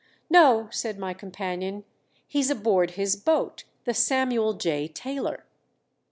"No," said my companion. "_He's aboard his boat the Samuel J. Taylor.